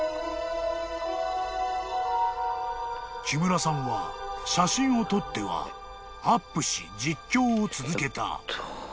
［木村さんは写真を撮ってはアップし実況を続けた］